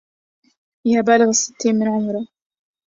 يا بالغ الستين من عمره